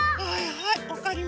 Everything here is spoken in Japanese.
はい！